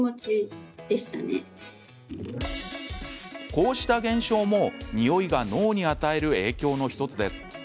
こうした現象も、匂いが脳に与える影響の１つです。